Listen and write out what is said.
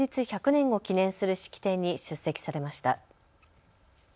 １００年を記念する式典に出席されました。